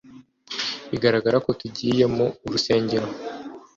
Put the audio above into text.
Biragaragara ko tugiye mu rusengero